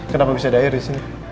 kenapa bisa ada air disini